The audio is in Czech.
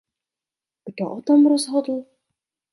Kdo o tom rozhodl?